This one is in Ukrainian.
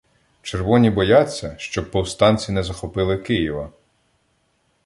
Червоні бояться, щоб повстанці не захопили Києва.